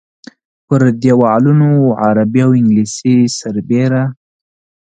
پر دیوالونو عربي او انګلیسي سربېره.